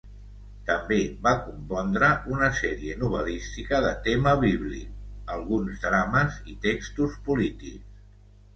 També va compondre una sèrie novel·lística de tema bíblic, alguns drames i textos polítics.